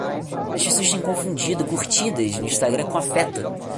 As pessoas têm confundido curtidas no Instagram com afeto